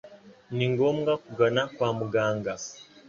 ni ngombwa kugana kwa muganga.